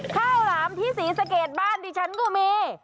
ข้าวหลามที่ศรีสะเกดบ้านดิฉันก็มี